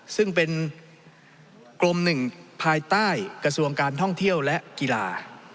ซึ่งเป็นกรมหนึ่งภายใต้กระทรวงการท่องเที่ยวและกีฬา